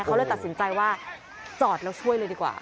เขาเลยตัดสินใจว่าจอดแล้วช่วยเลยดีกว่า